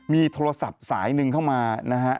มีโทรศัพท์สายหนึ่งเข้ามานะฮะ